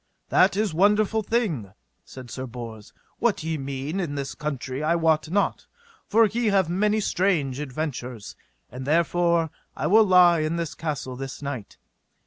That is wonderful thing, said Sir Bors. What ye mean in this country I wot not, for ye have many strange adventures, and therefore I will lie in this castle this night.